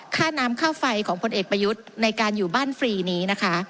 ค่าน้ำค่าไฟของพลเอกประยุทธ์ในการอยู่บ้านฟรีนี้นะคะ